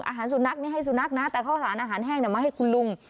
สุนัขนี่ให้สุนัขนะแต่ข้าวสารอาหารแห้งมาให้คุณลุง